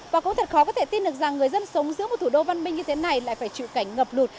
và có thật khó có thể tin được rằng người dân sống giữa một thủ đô văn minh như thế này lại phải chịu cảnh ngập lụt